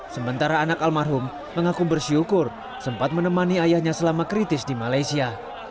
sementara anak almarhum mengaku bersyukur sempat menemani ayahnya selama kritis di malaysia